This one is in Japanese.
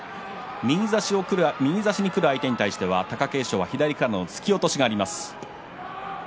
右差しにくる相手に対して貴景勝は左からの突き落としがあります。